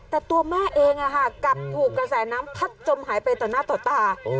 แต่ตัวแม่เองกลับถูกกระแสน้ำพัดจมหายไปต่อหน้าต่อตา